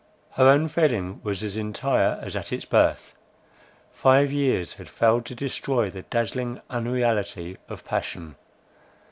Her own feeling was as entire as at its birth. Five years had failed to destroy the dazzling unreality of passion.